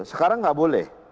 sekarang gak boleh